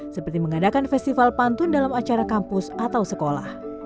seperti mengadakan festival pantun dalam acara kampus atau sekolah